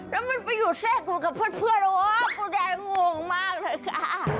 แล้วมันไปหยุดเสกมันกับเพื่อนโอ้วคุณยายงงมากเลยค่ะ